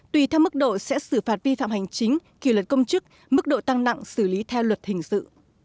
tùy theo mức độ sẽ xử phạt vi phạm hành chính kỷ luật công chức mức độ tăng nặng xử lý theo luật hình sự